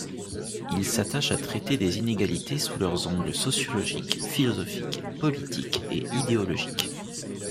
Il s'attache à traiter des inégalités sous leurs angles sociologiques, philosophiques, politiques et idéologiques.